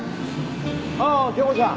ああ京子ちゃん。